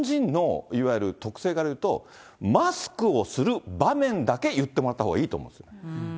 ね、屋内はもちろん着けてるけど、これね、日本人のいわゆる特性からいうと、マスクをする場面だけ言ってもらったほうがいいと思うんですよ。